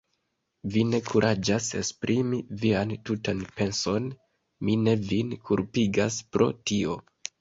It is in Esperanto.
Vi ne kuraĝas esprimi vian tutan penson; mi ne vin kulpigas pro tio.